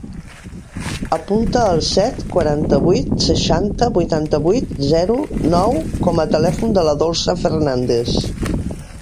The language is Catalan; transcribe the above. Apunta el set, quaranta-vuit, seixanta, vuitanta-vuit, zero, nou com a telèfon de la Dolça Fernandes.